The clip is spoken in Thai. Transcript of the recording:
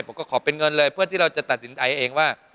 ขอเป็นเงินเลยเพื่อที่เราจะตัดสินใจเองว่า